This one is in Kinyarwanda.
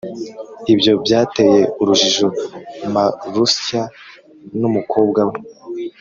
Ibyo byateye urujijo Marusya n umukobwa we